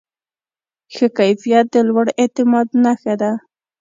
ښه کیفیت د لوړ اعتماد نښه ده.